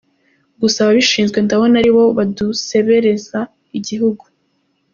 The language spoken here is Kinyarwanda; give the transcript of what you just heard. Gusa ababishinzwe ndabona aribo badusebereza igihugu.